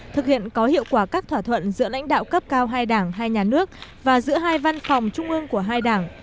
thực hiện có hiệu quả các thỏa thuận giữa lãnh đạo cấp cao hai đảng hai nhà nước và giữa hai văn phòng trung ương của hai đảng